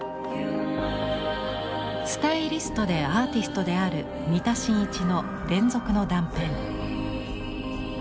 スタイリストでアーティストである三田真一の「連続の断片」。